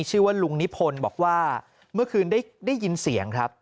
ชื่อว่าลุงนิพนธ์บอกว่าเมื่อคืนได้ยินเสียงครับ